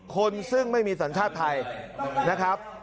คนซึ่งไม่มีสัญชาติไทยนะครับ